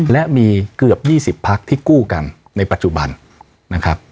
และมีเกือบ๒๐พักที่กู้กันในปัจจุบันนะครับ